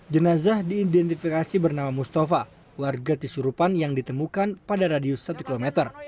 jenazah diidentifikasi bernama mustafa warga tisurupan yang ditemukan pada radius satu km